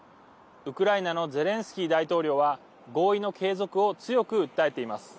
ウクライナのゼレンスキー大統領は合意の継続を強く訴えています。